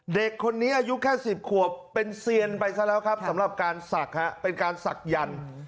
เด็กคนนี้อายุแค่๑๐ขวบเป็นเซียนไปซะแล้วครับสำหรับการศักดิ์เป็นการศักดิ์